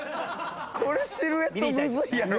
これシルエットむずいやろ。